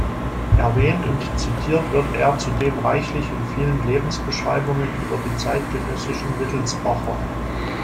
Erwähnt und zitiert wird er zudem reichlich in vielen Lebensbeschreibungen über die zeitgenössischen Wittelsbacher.